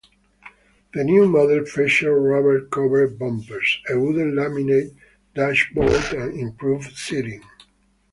The new model featured rubber-covered bumpers, a wooden laminate dashboard and improved seating.